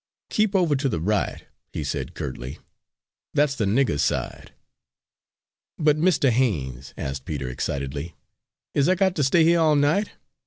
"Keep over to the right," he said curtly, "that's the niggers' side." "But, Mistah Haines," asked Peter, excitedly, "is I got to stay here all night?